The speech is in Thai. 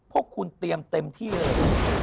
พวกคุณเตรียมเต็มที่เลย